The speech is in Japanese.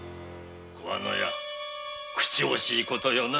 桑野屋口惜しいことよな。